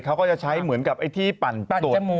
เขาก็จะใช้เหมือนกับไอ้ที่ปั่นตรวจ